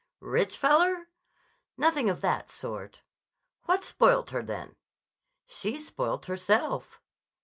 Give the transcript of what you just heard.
"Rich feller?" "Nothing of that sort." "What's spoilt her, then?" "She's spoilt herself."